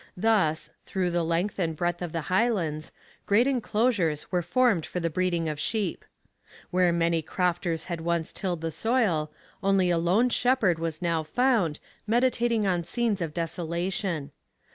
Thus, through the length and breadth of the Highlands, great enclosures were formed for the breeding of sheep. Where many crofters had once tilled the soil, only a lone shepherd was now found, meditating on scenes of desolation.